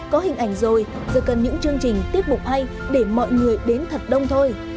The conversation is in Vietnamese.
có hình ảnh rồi giờ cần những chương trình tiếp bục hay để mọi người đến thật đông thôi